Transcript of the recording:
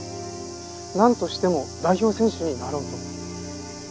なんとしても代表選手になろうと。